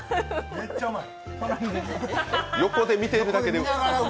めっちゃうまい。